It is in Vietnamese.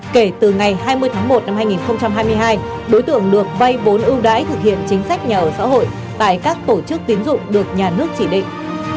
kể từ ngày hai mươi tháng một năm hai nghìn hai mươi hai đối tượng được vay vốn ưu đãi thực hiện chính sách nhà ở xã hội tại các tổ chức tín dụng được nhà nước chỉ định